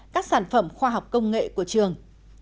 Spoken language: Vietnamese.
các sản phẩm khoa học công nghệ của trường